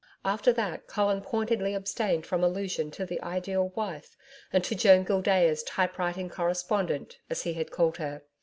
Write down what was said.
After that Colin pointedly abstained from allusion to the Ideal Wife and to Joan Gildea's Typewriting Correspondent, as he had called her.